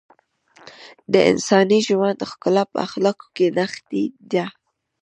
د انساني ژوند ښکلا په اخلاقو کې نغښتې ده .